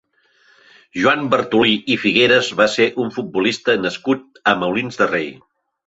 Joan Bartolí i Figueras va ser un futbolista nascut a Molins de Rei.